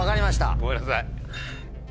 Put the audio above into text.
ごめんなさい。